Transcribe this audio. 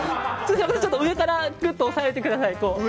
上からぐっと押さえてください。